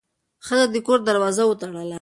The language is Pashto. ښځه د کور دروازه وتړله.